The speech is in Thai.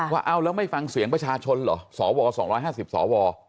ว่าเอาแล้วไม่ฟังเสียงประชาชนเหรอสว๒๕๐สว